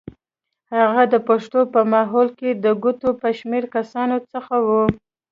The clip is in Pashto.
هغه د پښتنو په ماحول کې د ګوتو په شمېر کسانو څخه و.